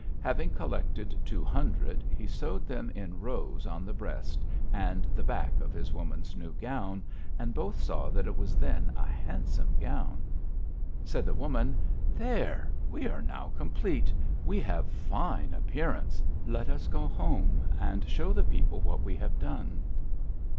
Having collected two hundred, he sewed them in rows on the breast and the back of his woman's new gown, and both saw that it was then a handsome gown. "Said the woman: 'There! We are now complete; we have fine appearance. Let us go home and show the people what we have done.'